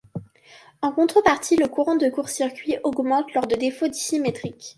En contre-partie le courant de court-circuit augmente lors de défauts dissymétrique.